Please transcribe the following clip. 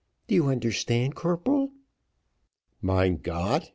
Do you understand, corporal?" "Mein Gott!